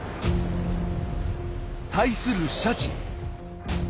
対するシャチ。